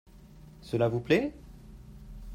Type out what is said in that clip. Cela vous plait ?